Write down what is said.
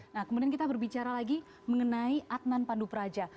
nah kemudian kita berbicara lagi mengenai adnan pandu praja